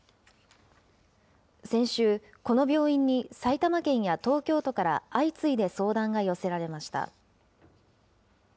先週、この病院に埼玉県や東京都から相次いで相談が寄せられました。